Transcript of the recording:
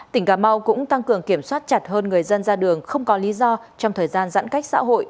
tỉnh cà mau cũng tăng cường kiểm soát chặt hơn người dân ra đường không có lý do trong thời gian giãn cách xã hội